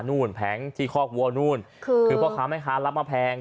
แผงที่คอกวัวนู่นคือคือพ่อค้าแม่ค้ารับมาแพง